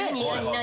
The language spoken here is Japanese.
何？